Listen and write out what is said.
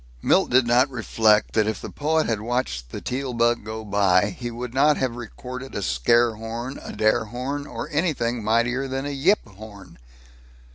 Milt did not reflect that if the poet had watched the Teal bug go by, he would not have recorded a scare horn, a dare horn, or anything mightier than a yip horn.